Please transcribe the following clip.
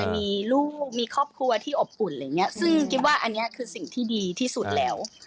มีลูกมีครอบครัวที่อบอุ่นอะไรอย่างเงี้ยซึ่งคิดว่าอันนี้คือสิ่งที่ดีที่สุดแล้ว